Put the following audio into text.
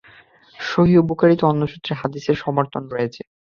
সহীহ বুখারীতে অন্য সূত্রে হাদীসের সমর্থন রয়েছে।